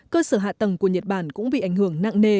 cơ sở hạ tầng của nhật bản cũng bị ảnh hưởng nặng nề